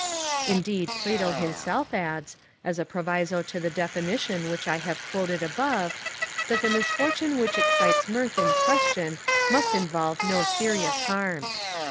Indeed Plato himself adds, as a proviso to the definition which I have quoted above, that the misfortune which excites mirth in question must involve no serious harm.